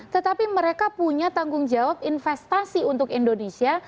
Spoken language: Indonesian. tetapi mereka punya tanggung jawab investasi untuk indonesia